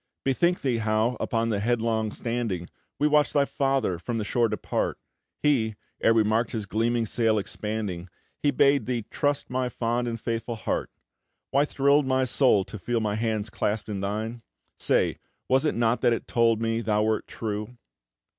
Bethink thee, how, upon the headland standing, We watched thy father from the shore depart, He, ere we mark'd his gleaming sail expanding, He bade thee trust my fond and faithful heart, Why thrill'd my soul to feel my hand clasp'd in thine? Say, was it not that it told me thou wert true?"